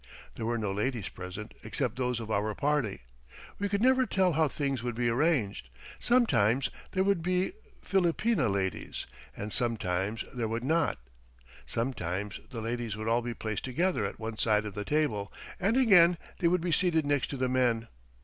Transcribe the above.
There were no ladies present except those of our party. We could never tell how things would be arranged, sometimes there would be Filipina ladies, and sometimes there would not; sometimes the ladies would all be placed together at one side of the table, and again they would be seated next to the men.